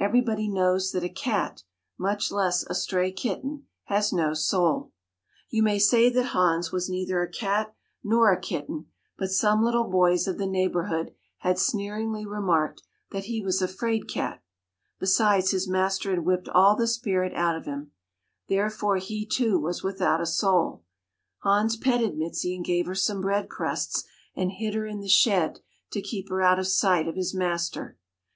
Everybody knows that a cat, much less a stray kitten, has no soul. You may say that Hans was neither a cat nor a kitten, but some little boys of the neighborhood had sneeringly remarked that he was a "fraid cat." Besides, his master had whipped all the spirit out of him. Therefore he, too, was without a soul. Hans petted Mizi and gave her some bread crusts and hid her in the shed to keep her out of sight of his master.